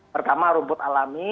pertama rumput alami